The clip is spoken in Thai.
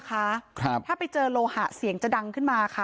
ถ้าไปเจอโลหะเสียงจะดังขึ้นมาค่ะ